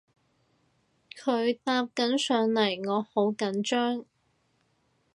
佢搭緊上嚟我好緊張